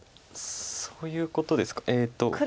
そういうことですか。